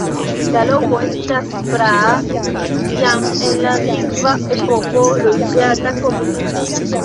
La loko estas praa, jam en la antikva epoko loĝata komunumo.